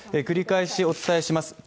繰り返しお伝えします。